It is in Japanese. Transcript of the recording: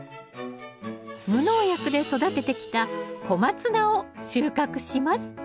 無農薬で育ててきたコマツナを収穫します